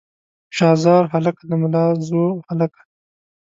شاه زار هلکه د ملازو هلکه.